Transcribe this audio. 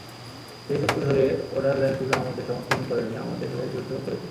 সেই সূত্র ধরে ওডারল্যান্ড শুধু আমাদের সমর্থনই করেননি, আমাদের হয়ে যুদ্ধও করেছেন।